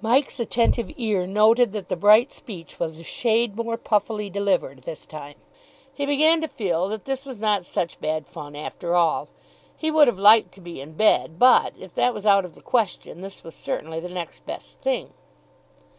Mike's attentive ear noted that the bright speech was a shade more puffily delivered this time. He began to feel that this was not such bad fun after all. He would have liked to be in bed, but, if that was out of the question, this was certainly the next best thing.